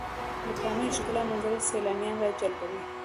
د پامیر ښکلي منظرې سیلانیان راجلبوي.